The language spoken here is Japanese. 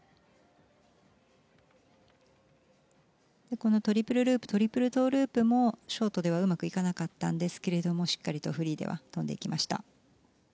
このトリプルループトリプルトウループもショートではうまくいかなったんですがフリーではしっかりと跳んでいきました。